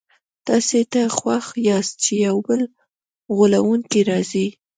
تاسي دې ته خوښ یاست چي یو بل غولونکی راځي.